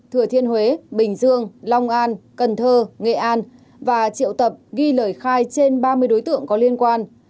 thừa thiên huế bình dương long an cần thơ nghệ an và triệu tập ghi lời khai trên ba mươi đối tượng có liên quan